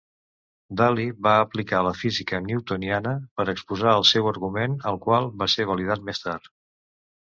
Daly va aplicar la física newtoniana per exposar el seu argument, el qual va ser validat més tard.